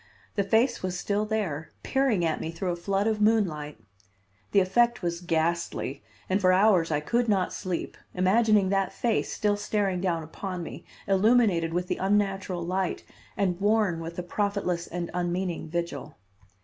The face was still there, peering at me through a flood of moonlight. The effect was ghastly, and for hours I could not sleep, imagining that face still staring down upon me, illuminated with the unnatural light and worn with a profitless and unmeaning vigil.